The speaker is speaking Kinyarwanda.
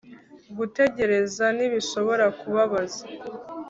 gutegereza ntibishobora kubabaza